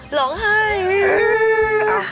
หลงไห้